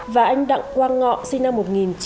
và anh đặng quang ngọ sinh năm một nghìn chín trăm tám mươi